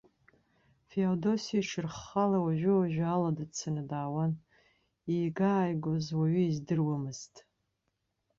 Феодоси ҽырххыла уажәы-уажәы алада дцан даауан, иига-ааигоз уаҩы издыруамызт.